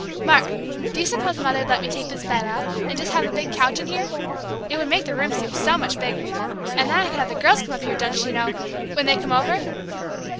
Mark, do you suppose Mother'd let me take this bed out, and just have a big couch in here? It would make the room seem so much bigger. And then I could have the girls come up here, don't you know when they came over....